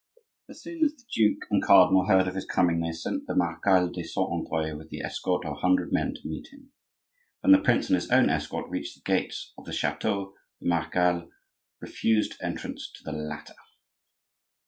As soon as the duke and cardinal heard of his coming they sent the Marechal de Saint Andre with an escort of a hundred men to meet him. When the prince and his own escort reached the gates of the chateau the marechal refused entrance to the latter.